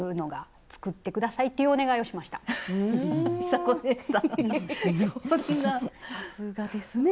さすがですね。